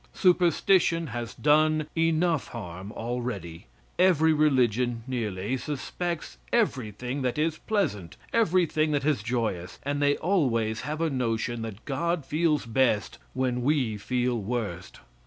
Superstition has done enough harm already; every religion, nearly, suspects everything that is pleasant, everything that is joyous, and they always have a notion that God feels best when we feel worst.